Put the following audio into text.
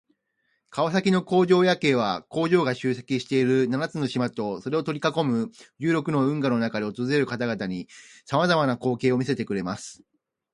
川崎の工場夜景は、工場が集積している七つの島とそれを取り囲む十六の運河の中で訪れる方々に様々な光景を見せてくれます。